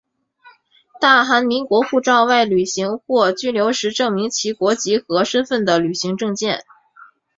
大韩民国护照外旅行或居留时证明其国籍和身份的旅行证件。